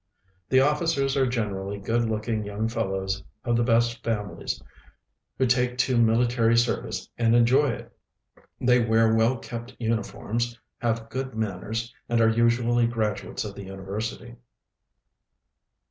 The officers are generally good looking young fellows of the Ijest families, who take to military service and enjoy it. They wear well kept uniforms, have good manners, and are usually graduates of the university.